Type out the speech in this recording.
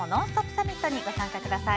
サミットに参加してください。